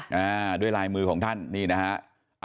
อ่าด้วยลายมือของท่านนี่นะฮะ